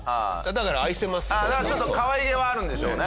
だからちょっとかわいげはあるんでしょうね。